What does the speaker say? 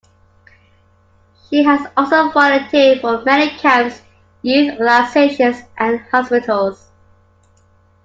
She has also volunteered for many camps, youth organizations, and hospitals.